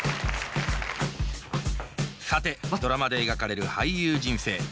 さてドラマで描かれる俳優人生。